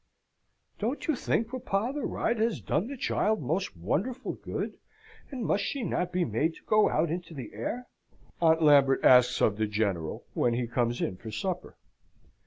"Don't you think, papa, the ride has done the child most wonderful good, and must not she be made to go out in the air?" Aunt Lambert asks of the General, when he comes in for supper.